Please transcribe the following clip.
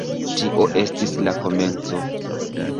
Tio estis la komenco.